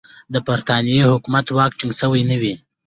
د برټانیې حکومت واک ټینګ سوی نه وي.